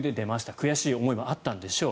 悔しい思いもあったんでしょう。